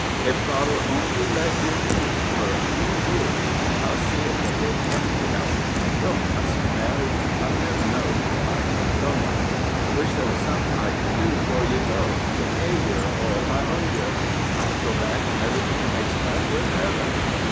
Ef God'll only let yer be fur a few years, I'll see ef the thing can't be helped. Don't cuss me, Mary I've never knowed how I've been a goin'. I wish there was somethin' I could do 'fore you go, to pay yer all I owe yer. I'd go back on everything that makes life worth hevin'."